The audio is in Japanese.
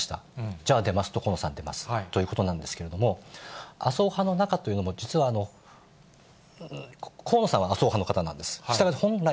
じゃあ、出ますと、河野さん、出ますということなんですけれども、麻生派の中というのも、実は、河野さんは麻生派の方なんです。